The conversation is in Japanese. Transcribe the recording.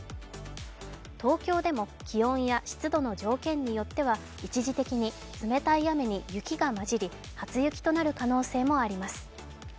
東京でも気温や湿度の条件によっては一時的に冷たい雨に雪が混じり、初雪となる可能性もあります。